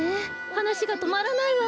はなしがとまらないわ。